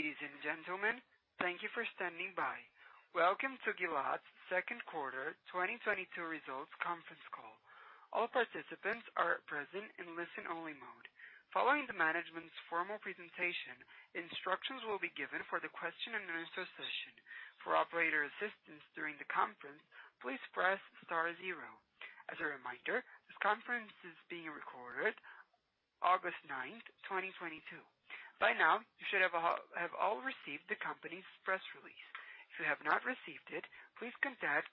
Ladies and gentlemen, thank you for standing by. Welcome to Gilat second quarter 2022 results conference call. All participants are at present in listen-only mode. Following the management's formal presentation, instructions will be given for the question and answer session. For operator assistance during the conference, please press star zero. As a reminder, this conference is being recorded August 9, 2022. By now, you should have all received the company's press release. If you have not received it, please contact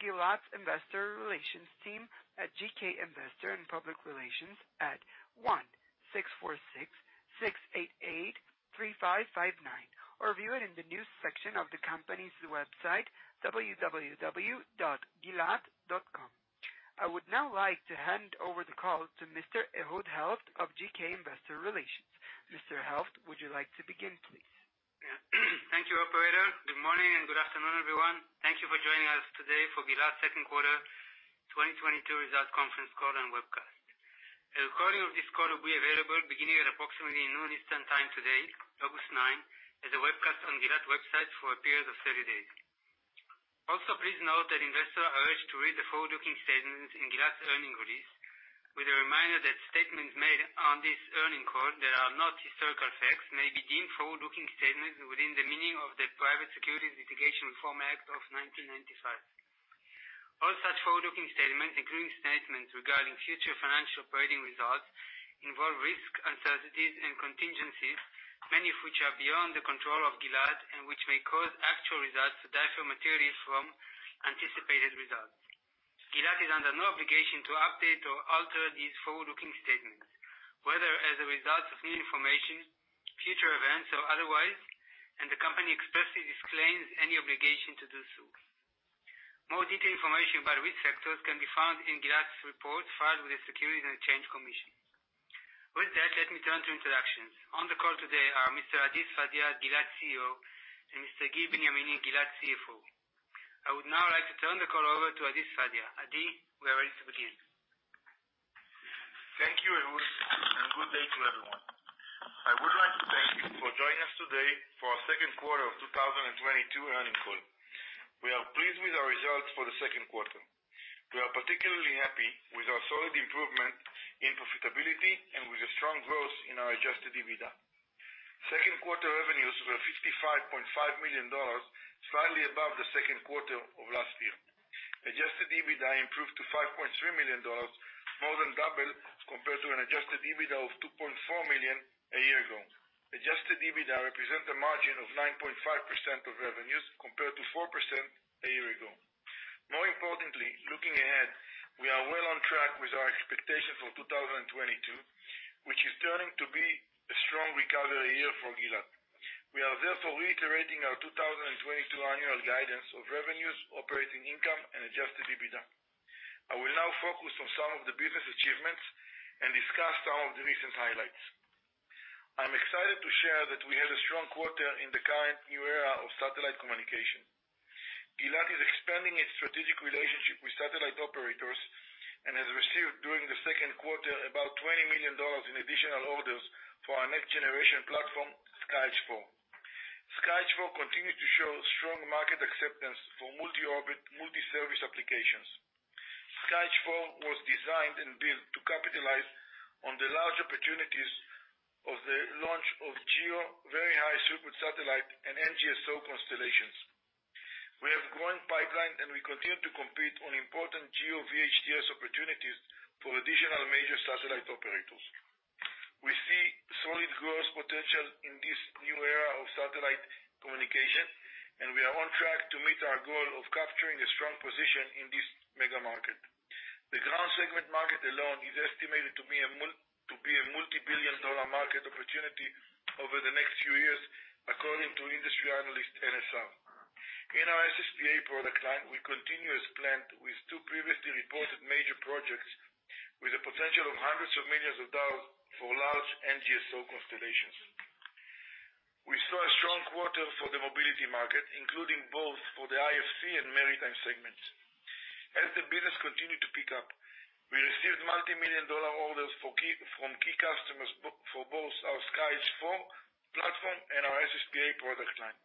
Gilat Investor Relations team at GK Investor & Public Relations at 1-646-688-3559, or view it in the news section of the company's website www.gilat.com. I would now like to hand over the call to Mr. Ehud Helft of GK Investor Relations. Mr. Helft, would you like to begin, please? Yeah. Thank you, operator. Good morning and good afternoon, everyone. Thank you for joining us today for Gilat second quarter 2022 results conference call and webcast. A recording of this call will be available beginning at approximately noon Eastern time today, August 9, as a webcast on Gilat's website for a period of 30 days. Also, please note that investors are urged to read the forward-looking statements in Gilat's earnings release with a reminder that statements made on this earnings call that are not historical facts may be deemed forward-looking statements within the meaning of the Private Securities Litigation Reform Act of 1995. All such forward-looking statements, including statements regarding future financial and operating results, involve risks, uncertainties, and contingencies, many of which are beyond the control of Gilat and which may cause actual results to differ materially from anticipated results. Gilat is under no obligation to update or alter these forward-looking statements, whether as a result of new information, future events, or otherwise, and the company expressly disclaims any obligation to do so. More detailed information about risk factors can be found in Gilat's reports filed with the Securities and Exchange Commission. With that, let me turn to introductions. On the call today are Mr. Adi Sfadia, Gilat CEO, and Mr. Gil Benyamini, Gilat CFO. I would now like to turn the call over to Adi Sfadia. Adi, we are ready to begin. Thank you, Ehud, and good day to everyone. I would like to thank you for joining us today for our second quarter of 2022 earnings call. We are pleased with our results for the second quarter. We are particularly happy with our solid improvement in profitability and with the strong growth in our Adjusted EBITDA. Second quarter revenues were $55.5 million, slightly above the second quarter of last year. Adjusted EBITDA improved to $5.3 million, more than double compared to an Adjusted EBITDA of $2.4 million a year ago. Adjusted EBITDA represent a margin of 9.5% of revenues compared to 4% a year ago. More importantly, looking ahead, we are well on track with our expectations for 2022, which is turning to be a strong recovery year for Gilat. We are therefore reiterating our 2022 annual guidance of revenues, operating income, and Adjusted EBITDA. I will now focus on some of the business achievements and discuss some of the recent highlights. I'm excited to share that we had a strong quarter in the current new era of satellite communication. Gilat is expanding its strategic relationship with satellite operators and has received during the second quarter about $20 million in additional orders for our next generation platform, SkyEdgeIV. SkyEdgeIV continues to show strong market acceptance for multi-orbit, multi-service applications. SkyEdgeIV was designed and built to capitalize on the large opportunities of the launch of GEO very high throughput satellite and NGSO constellations. We have growing pipeline, and we continue to compete on important GEO VHTS opportunities for additional major satellite operators. We see solid growth potential in this new era of satellite communication, and we are on track to meet our goal of capturing a strong position in this mega market. The ground segment market alone is estimated to be a $multi-billion-dollar market opportunity over the next few years, according to industry analyst NSR. In our SSPA product line, we continue as planned with two previously reported major projects with the potential of $hundreds of millions for large NGSO constellations. We saw a strong quarter for the mobility market, including both for the IFC and maritime segments. As the business continued to pick up, we received $multimillion-dollar orders from key customers for both our SkyEdge IV platform and our SSPA product line.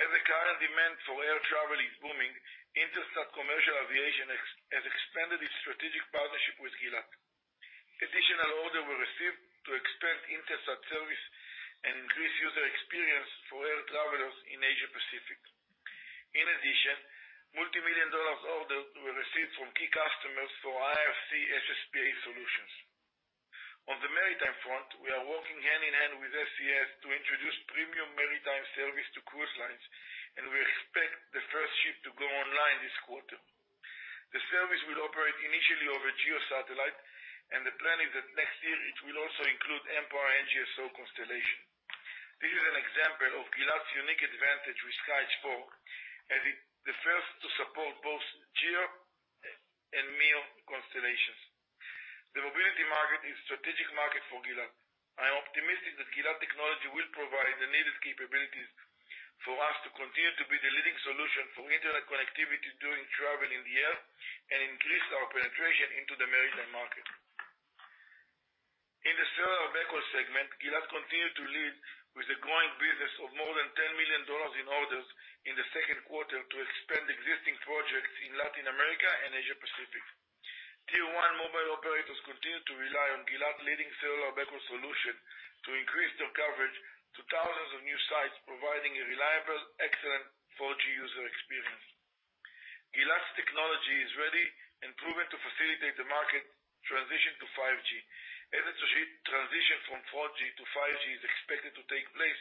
As the current demand for air travel is booming, Intelsat Commercial Aviation has expanded its strategic partnership with Gilat. Additional orders were received to expand Intelsat service and increase user experience for air travelers in Asia Pacific. In addition, multimillion-dollar orders were received from key customers for IFC SSPA solutions. On the maritime front, we are working hand in hand with SES to introduce premium maritime service to cruise lines, and we expect the first ship to go online this quarter. The service will operate initially over GEO satellite, and the plan is that next year it will also include MEO NGSO constellation. This is an example of Gilat's unique advantage with SkyEdge IV as it's the first to support both GEO and MEO constellations. The mobility market is a strategic market for Gilat. I am optimistic that Gilat technology will provide the needed capabilities for us to continue to be the leading solution for Internet connectivity during travel in the air and increase our penetration into the maritime market. In the cellular backhaul segment, Gilat continued to lead with a growing business of more than $10 million in orders in the second quarter to expand existing projects in Latin America and Asia Pacific. Tier 1 mobile operators continue to rely on Gilat leading cellular backhaul solution to increase their coverage to thousands of new sites, providing a reliable, excellent 4G user experience. Gilat's technology is ready and proven to facilitate the market transition to 5G. As the transition from 4G to 5G is expected to take place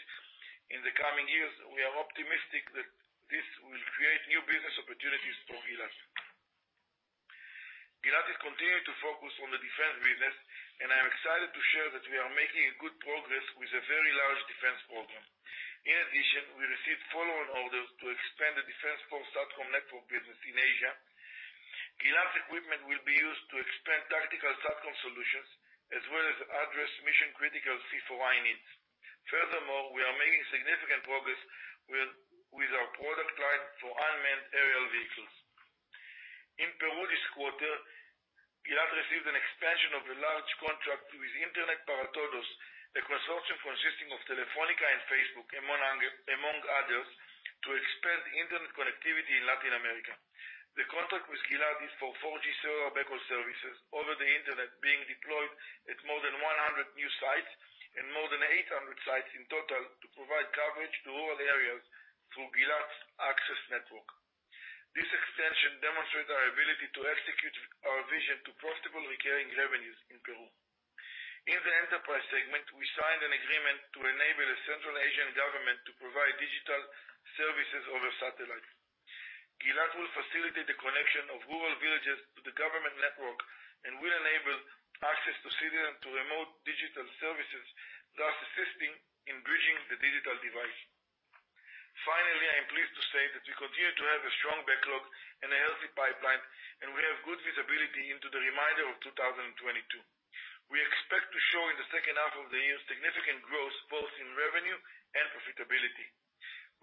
in the coming years, we are optimistic that this will create new business opportunities for Gilat. Gilat is continuing to focus on the defense business, and I am excited to share that we are making a good progress with a very large defense program. In addition, we received follow-on orders to expand the Defense Force SATCOM network business in Asia. Gilat's equipment will be used to expand tactical SATCOM solutions as well as address mission-critical C4I needs. Furthermore, we are making significant progress with our product line for unmanned aerial vehicles. In Peru this quarter, Gilat received an expansion of a large contract with Internet para Todos, a consortium consisting of Telefónica and Facebook among others, to expand Internet connectivity in Latin America. The contract with Gilat is for 4G cellular backhaul services over the Internet being deployed at more than 100 new sites and more than 800 sites in total to provide coverage to rural areas through Gilat's access network. This extension demonstrates our ability to execute our vision to profitable recurring revenues in Peru. In the enterprise segment, we signed an agreement to enable a Central Asian government to provide digital services over satellite. Gilat will facilitate the connection of rural villages to the government network and will enable access to citizens to remote digital services, thus assisting in bridging the digital divide. Finally, I am pleased to say that we continue to have a strong backlog and a healthy pipeline, and we have good visibility into the remainder of 2022. We expect to show in the second half of the year significant growth both in revenue and profitability.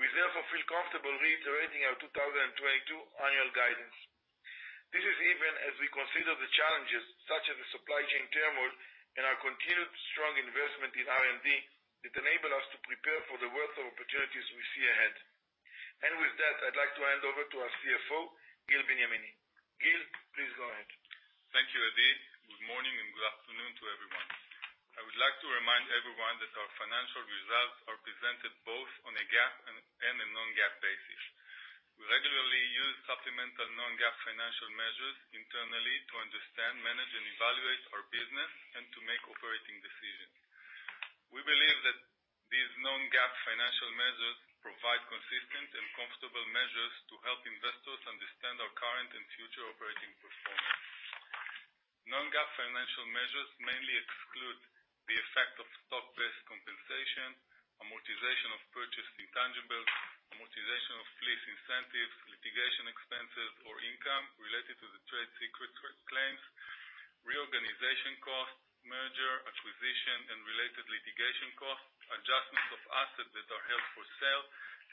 We therefore feel comfortable reiterating our 2022 annual guidance. This is even as we consider the challenges such as the supply chain turmoil and our continued strong investment in R&D that enable us to prepare for the wealth of opportunities we see ahead. With that, I'd like to hand over to our CFO, Gil Benyamini. Gil, please go ahead. Thank you, Adi. Good morning and good afternoon to everyone. I would like to remind everyone that our financial results are presented both on a GAAP and a non-GAAP basis. We regularly use supplemental non-GAAP financial measures internally to understand, manage, and evaluate our business and to make operating decisions. We believe that these non-GAAP financial measures provide consistent and comparable measures to help investors understand our current and future operating performance. Non-GAAP financial measures mainly exclude the effect of stock-based compensation, amortization of purchased intangibles, amortization of lease incentives, litigation expenses or income related to the trade secrets claims, reorganization costs, merger, acquisition, and related litigation costs, adjustments of assets that are held for sale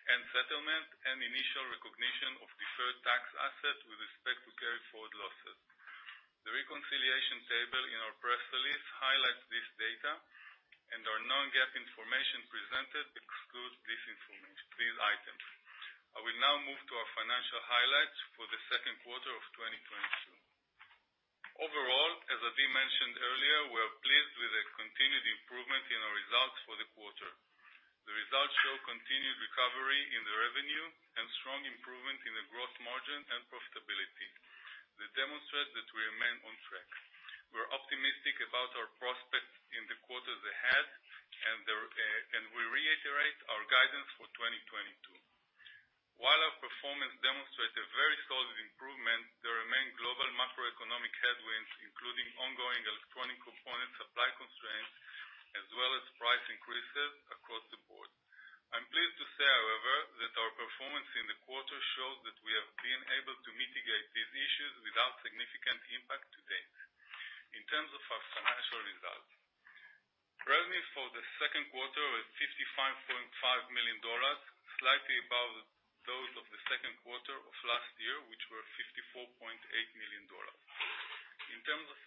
and settlement, and initial recognition of deferred tax assets with respect to carry-forward losses. The reconciliation table in our press release highlights this data, and our non-GAAP information presented excludes this information, these items. I will now move to our financial highlights for the second quarter of 2022. Overall, as Adi mentioned earlier, we are pleased with the continued improvement in our results for the quarter. The results show continued recovery in the revenue and strong improvement in the gross margin and profitability that demonstrate that we remain on track. We're optimistic about our prospects in the quarters ahead and there, and we reiterate our guidance for 2022. While our performance demonstrates a very solid improvement, there remain global macroeconomic headwinds, including ongoing electronic component supply constraints as well as price increases across the board. I'm pleased to say, however, that our performance in the quarter shows that we have been able to mitigate these issues without significant impact to date. In terms of our financial results, revenues for the second quarter was $55.5 million, slightly above those of the second quarter of last year, which were $54.8 million. In terms of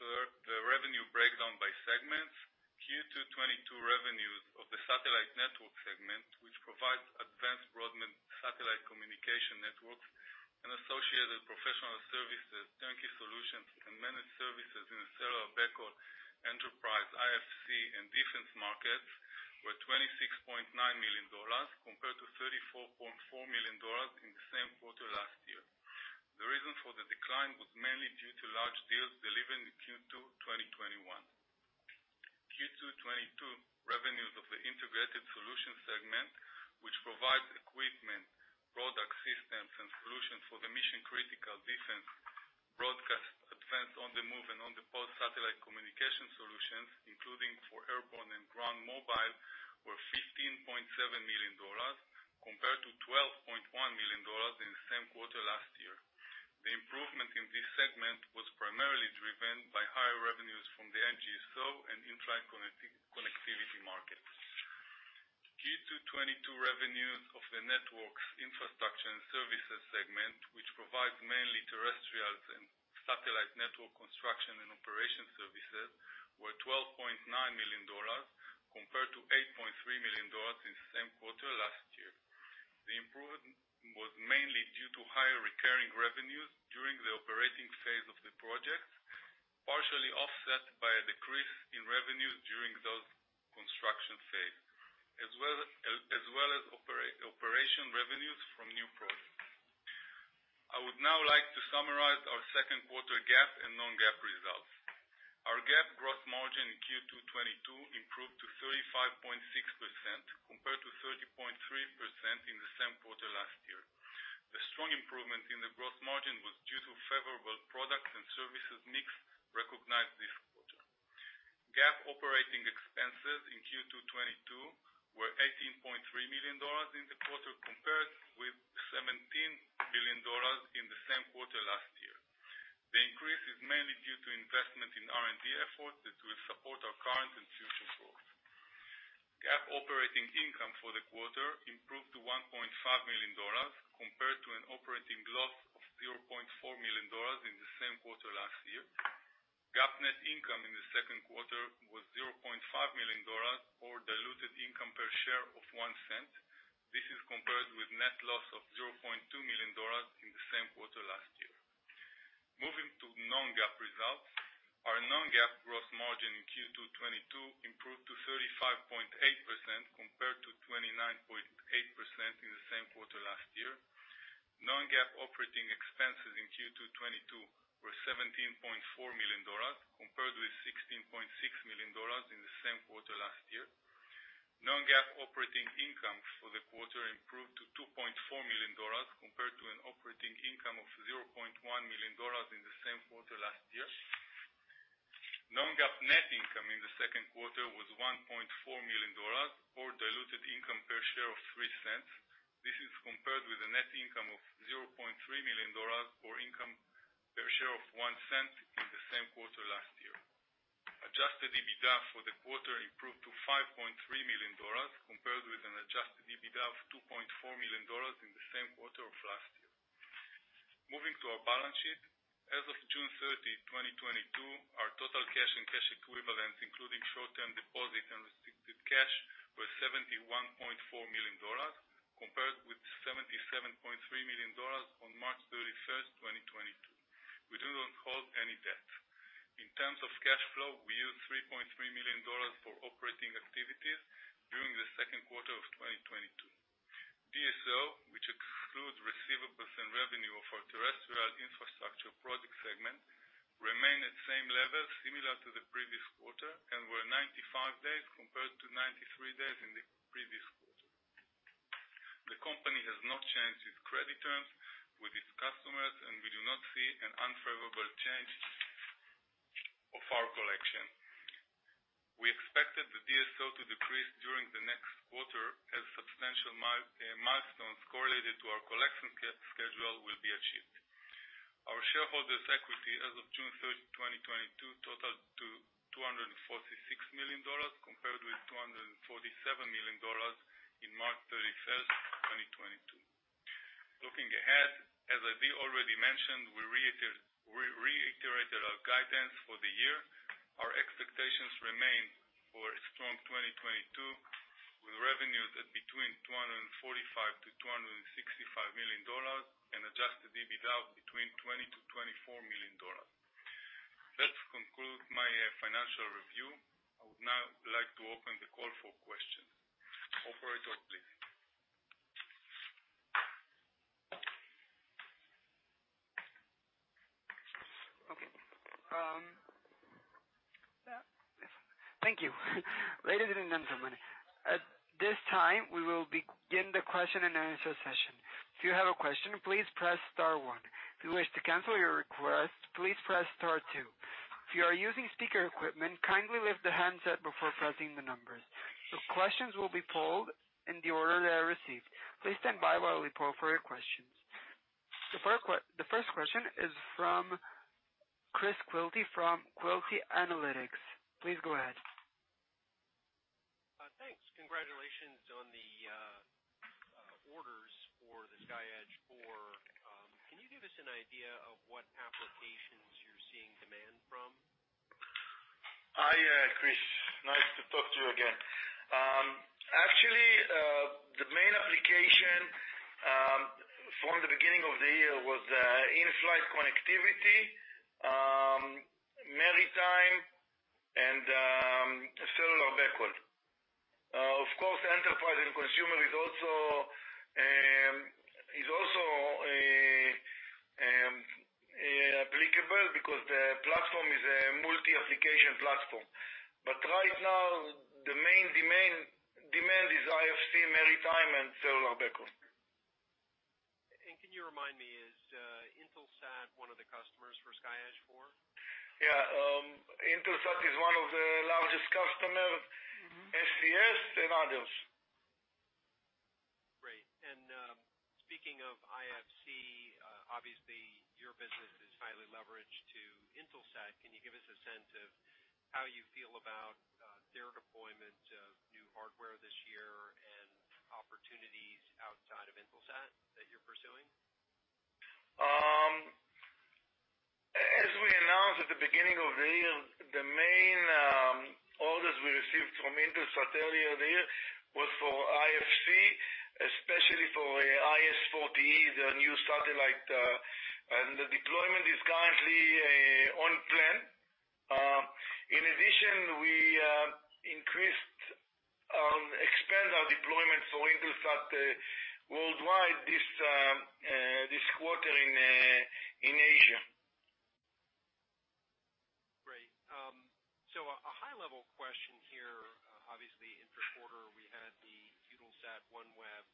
the revenue breakdown by segments, Q2 2022 revenues of the satellite network segment, which provides advanced broadband satellite communication networks and associated professional services, turnkey solutions, and managed services in the cellular backhaul, enterprise, IFC, and defense markets, were $26.9 million compared to $34.4 million in the same quarter last year. The reason for the decline was mainly due to large deals delivered in Q2 2021. Q2 '22 revenues of the integrated solutions segment, which provides equipment, product systems, and solutions for the mission-critical defense, broadcast, advanced, on-the-move, and on-the-pause satellite communication solutions, including for airborne and ground mobile, were $15.7 million compared to $12.1 million in the same quarter last year. The improvement in this segment was primarily driven by higher revenues from the NG. Q2 '22 revenues of the networks infrastructure and services segment, which provides mainly terrestrial and satellite network construction and operation services, were $12.9 million compared to $8.3 million in the same quarter last year. The improvement was mainly due to higher recurring revenues during the operating phase of the project, partially offset by a decrease in revenues during the construction phase, as well as operation revenues from new products. I would now like to summarize our second quarter GAAP and non-GAAP results. Our GAAP gross margin in Q2 2022 improved to 35.6% compared to 30.3% in the same quarter last year. The strong improvement in the gross margin was due to favorable products and services mix recognized this quarter. GAAP operating expenses in Q2 2022 were $18.3 million in the quarter, compared with $17 million in the same quarter last year. The increase is mainly due to investment in R&D efforts that will support our current and future growth. GAAP operating income for the quarter improved to $1.5 million compared to an operating loss of $0.4 million in the same quarter last year. GAAP net income in the second quarter was $0.5 million or diluted income per share of $0.01. This is compared with net loss of $0.2 million in the same quarter last year. Moving to non-GAAP results. Our non-GAAP gross margin in Q2 '22 improved to 35.8% compared to 29.8% in the same quarter last year. Non-GAAP operating expenses in Q2 '22 were $17.4 million, compared with $16.6 million in the same quarter last year. Non-GAAP operating income for the quarter improved to $2.4 million compared to an operating income of $0.1 million in the same quarter last year. Non-GAAP net income in the second quarter was $1.4 million or diluted income per share of $0.03. This is compared with a net income of $0.3 million or income per share of $0.01 in the same quarter last year. Adjusted EBITDA for the quarter improved to $5.3 million compared with an Adjusted EBITDA of $2.4 million in the same quarter of last year. Moving to our balance sheet. As of June 30, 2022, our total cash and cash equivalents, including short-term deposits and restricted cash, were $71.4 million compared with $77.3 million on March 31st, 2022. We do not hold any debt. In terms of cash flow, we use $3.3 million for operating activities during the second quarter of 2022. DSO, which excludes receivables and revenue for terrestrial infrastructure project segment, remain at same levels similar to the previous quarter and were 95 days compared to 93 days in the previous quarter. The company has not changed its credit terms with its customers, and we do not see an unfavorable change of our collection. We expected the DSO to decrease during the next quarter as substantial milestones correlated to our collection cash schedule will be achieved. Our shareholders' equity as of June 3rd, 2022 totaled to $246 million compared with $247 million in March 31, 2022. Looking ahead, as Adi already mentioned, we reiterated our guidance for the year. Our expectations remain for strong 2022, with revenues at between $245 million-$265 million and Adjusted EBITDA between $20 million-$20 million. That concludes my financial review. I would now like to open the call for questions. Operator, please. Okay. Thank you. Ladies and gentlemen, at this time, we will begin the question and answer session. If you have a question, please press star one. If you wish to cancel your request, please press star two. If you are using speaker equipment, kindly lift the handset before pressing the numbers. The questions will be polled in the order they are received. Please stand by while we poll for your questions. The first question is from Chris Quilty from Quilty Analytics. Please go ahead. Thanks. Congratulations on the orders for the SkyEdge Four. Can you give us an idea of what applications you're seeing demand from? Hi, Chris. Nice to talk to you again. Actually, the main application from the beginning of the year was in-flight connectivity, maritime and cellular backhaul. Of course, enterprise and consumer is also applicable because the platform is a multi-application platform. Right now, the main demand is IFC, maritime and cellular backhaul. Can you remind me, is Intelsat one of the customers for SkyEdge IV? Yeah, Intelsat is one of the largest customers. Mm-hmm. SES and others. Speaking of IFC, obviously your business is highly leveraged to Intelsat. Can you give us a sense of how you feel about their deployment of new hardware this year and opportunities outside of Intelsat that you're pursuing? As we announced at the beginning of the year, the main orders we received from Intelsat earlier this year was for IFC, especially for IS-40e, the new satellite. The deployment is currently on plan. In addition, we expand our deployment for Intelsat worldwide this quarter in Asia. Great. A high level question here, obviously in the quarter, we had the Eutelsat-OneWeb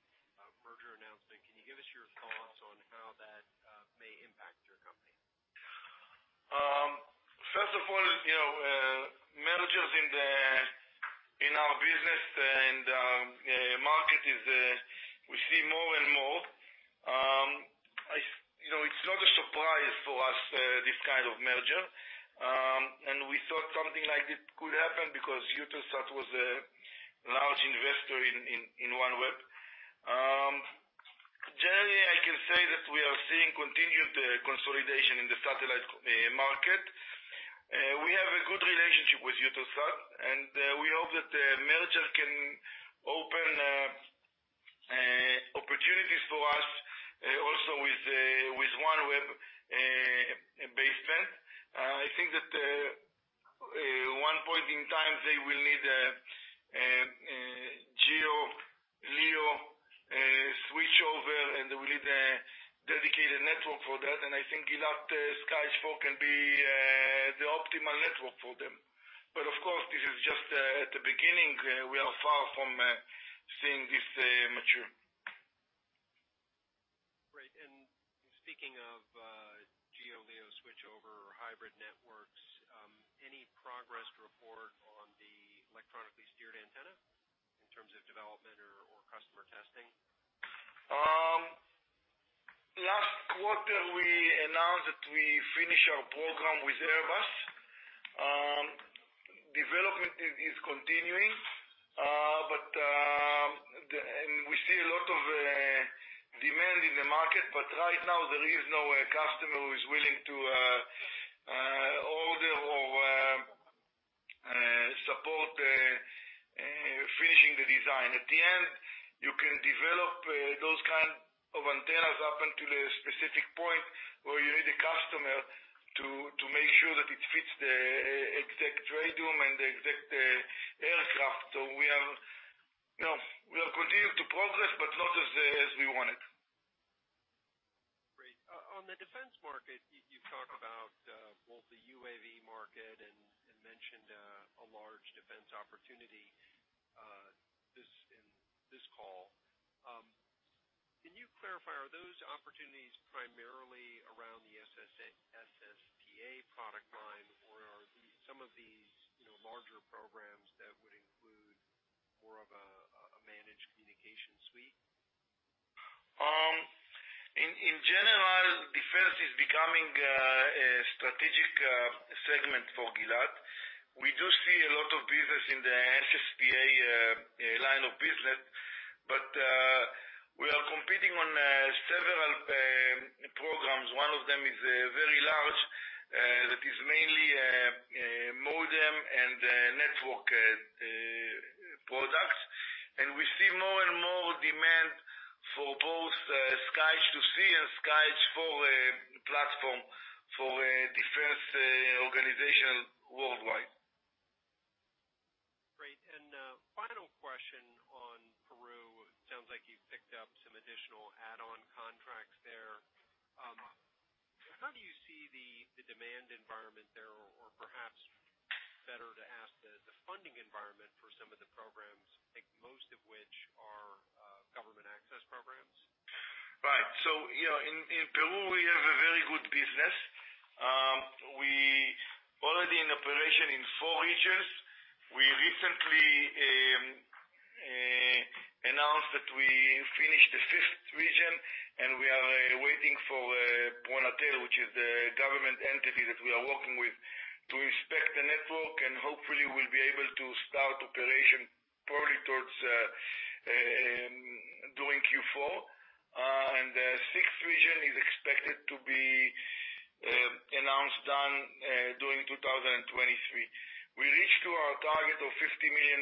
merger announcement. Can you give us your thoughts on how that may impact your company? First of all, you know, mergers in our business and market. We see more and more. I, you know, it's not a surprise for us, this kind of merger. We thought something like this could happen because Eutelsat was a large investor in OneWeb. Generally, I can say that we are seeing continued consolidation in the satellite market. We have a good relationship with Eutelsat, and we hope that the merger can open opportunities for us also with OneWeb as well. I think that one point in time they will need GEO LEO switchover, and they will need a dedicated network for that. I think Gilat SkyEdge IV can be the optimal network for them. Of course, this is just the beginning. We are far from seeing this mature. Great. Speaking of GEO LEO switchover or hybrid networks, any progress to report on the electronically steered antenna in terms of development or customer testing? Last quarter, we announced that we finish our program with Airbus. Development is continuing, but we see a lot of demand in the market, but right now there is no customer who is willing to order or support finishing the design. At the end, you can develop those kind of antennas up until a specific point where you need a customer to make sure that it fits the exact radome and the exact aircraft. We are, you know, continuing to progress, but not as we wanted. Great. On the defense market, you talk about both the UAV market and mentioned a large defense opportunity in this call. Can you clarify, are those opportunities primarily around the SSPA product line or are there some of these, you know, larger programs that would include more of a managed communication suite? In general, defense is becoming a strategic segment for Gilat. We do see a lot of business in the SSPA line of business, but we are competing on several programs. One of them is very large that is mainly modem and network products. We see more and more demand for both SkyEdge II-c and SkyEdge IV platform for defense organization worldwide. Great. Final question on Peru. How do you see the demand environment there, or perhaps better to ask the funding environment for some of the programs, I think most of which are government access programs? Right. You know, in Peru, we have a very good business. We already in operation in four regions. We recently announced that we finished the fifth region, and we are waiting for Pronatel, which is the government entity that we are working with, to inspect the network, and hopefully we'll be able to start operation probably towards during Q4. Sixth region is expected to be announced done during 2023. We reached to our target of $50 million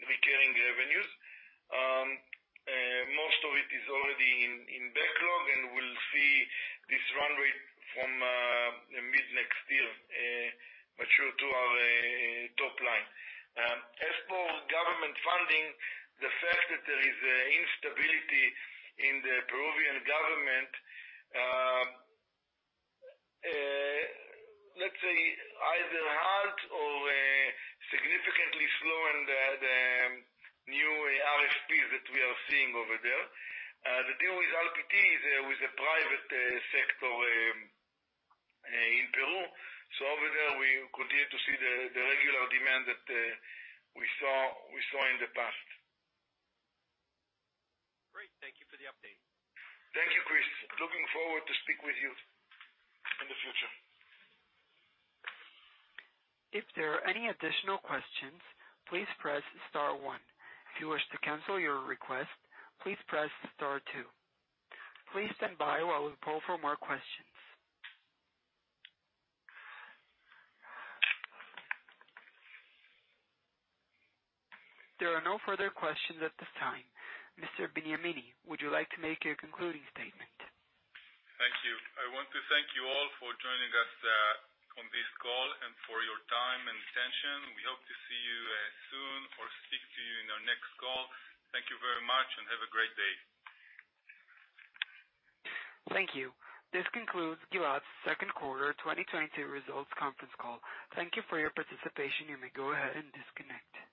recurring revenues. Most of it is already in backlog, and we'll see this runway from mid next year mature to our top line. As for government funding, the fact that there is instability in the Peruvian government, let's say either halt or significantly slowing the new RFPs that we are seeing over there. The deal with IPT is with the private sector in Peru. Over there, we continue to see the regular demand that we saw in the past. Great. Thank you for the update. Thank you, Chris. Looking forward to speak with you in the future. If there are any additional questions, please press star one. If you wish to cancel your request, please press star two. Please stand by while we poll for more questions. There are no further questions at this time. Mr. Benyamini, would you like to make your concluding statement? Thank you. I want to thank you all for joining us on this call and for your time and attention. We hope to see you soon or speak to you in our next call. Thank you very much and have a great day. Thank you. This concludes Gilat's second quarter 2022 results conference call. Thank you for your participation. You may go ahead and disconnect.